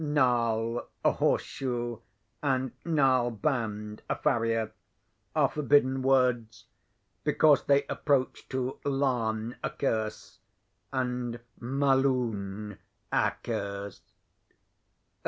Naal, a horse shoe, and naal band, a farrier, are forbidden words; because they approach to laan, a curse, and m[=a]loun, accursed."